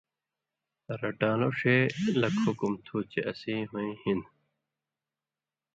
رٹان٘لو ݜے لک حُکُم تُھو چے اسیں ہُوئیں ہِن